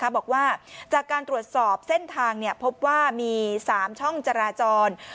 บอกว่าจากการตรวจสอบเส้นทางพบว่ามี๓ช่องจราจร